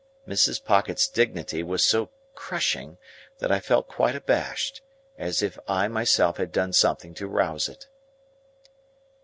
Mrs. Pocket's dignity was so crushing, that I felt quite abashed, as if I myself had done something to rouse it.